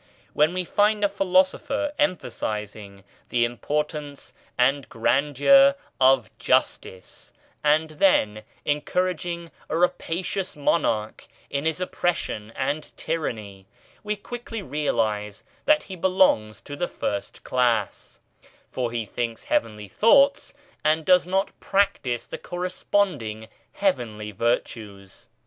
When we find a Philosopher emphasising the importance and grandeur of Justice, and then encourag ing a rapacious monarch in his oppression and tyranny, we quickly realise that he belongs to the first class : for he thinks heavenly thoughts and does not practise the corresponding heavenly virtues.